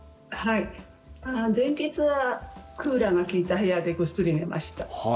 前日はクーラーが利いた部屋でぐっすり寝ました。